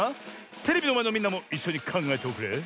テレビのまえのみんなもいっしょにかんがえておくれ。